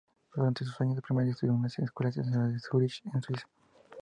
Durante sus años de primaria, estudió en una escuela internacional de Zurich, en Suiza.